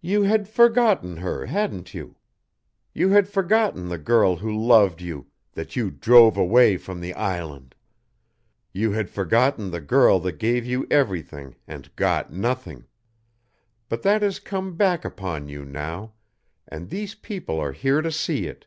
"You had forgotten her, hadn't you? You had forgotten the girl who loved you, that you drove away from the island! You had forgotten the girl that gave you everything and got nothing! But that has come back upon you now, and these people are here to see it.